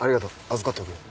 預かっておくよ。